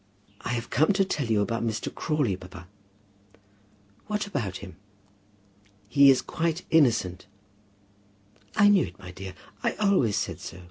"We have come to tell you about Mr. Crawley, papa." "What about him?" "He is quite innocent." "I knew it, my dear. I always said so.